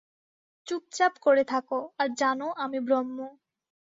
চুপচাপ করে থাক, আর জান, আমি ব্রহ্ম।